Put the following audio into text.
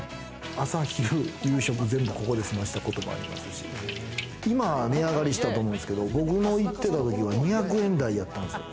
朝昼夕食、全部ここで済ませたこともありますし、今値上がりしたと思うんですけれども、僕の行ってたときは２００円だいやったんですよ。